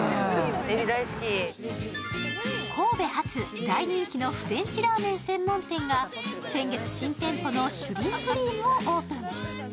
神戸発、大人気のフレンチラーメン専門店が先月、新店舗のＳｈｒｉｍｐｒｅｍｅをオープン。